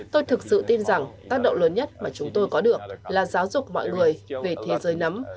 tôi thực sự tin rằng tác động lớn nhất mà chúng tôi có được là giáo dục mọi người về thế giới nấm